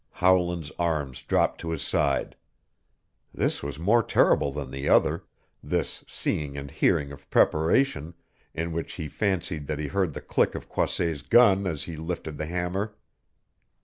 Howland's arms dropped to his side. This was more terrible than the other this seeing and hearing of preparation, in which he fancied that he heard the click of Croisset's gun as he lifted the hammer.